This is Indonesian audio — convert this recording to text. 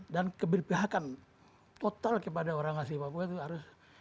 dan keberbahakan total kepada orang asli papua itu harus